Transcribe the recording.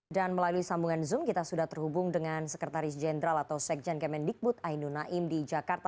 dan melalui sambungan zoom kita sudah terhubung dengan sekretaris jenderal atau sekjen kemendikbud ainu naim di jakarta